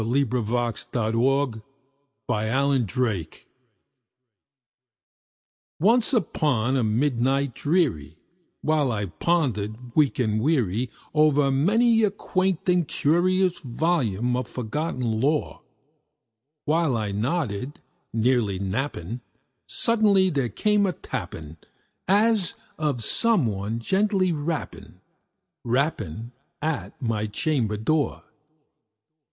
1845. E.A.P. THE RAVEN. Once upon a midnight dreary, while I pondered, weak and weary, Over many a quaint and curious volume of forgotten lore While I nodded, nearly napping, suddenly there came a tapping, As of some one gently rapping rapping at my chamber door.